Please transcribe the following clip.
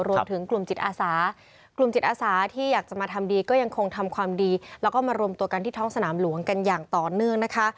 รวมถึงกลุ่มจิตอาสากลุ่มจิตอาสาที่อยากจะมาทำดีก็ยังคงทำความดีแล้วก็มารวมตัวกันที่ท้องสนามหลวงกันอย่างต่อเนื่องนะคะ